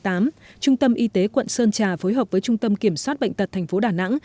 trung tâm y tế quận sơn trà phối hợp với trung tâm kiểm soát bệnh tật tp đà nẵng